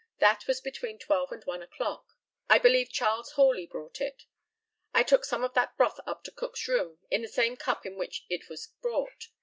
That was between twelve and one o'clock. I believe Charles Horley brought it. I took some of that broth up to Cook's room in the same cup in which it was brought.